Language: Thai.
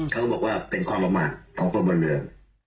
เขาบอกว่าเป็นความประมาทของคนบนเรือ